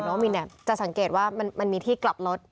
แม้ว่ามีเนี่ยจะสังเกตว่ามันมีที่กลับรถ